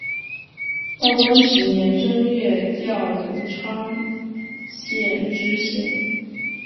道光十年正月调荣昌县知县。